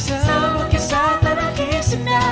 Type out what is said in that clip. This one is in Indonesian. semua kisah terakhir senang